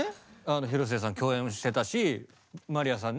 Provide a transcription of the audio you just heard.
広末さん共演もしてたしまりやさんね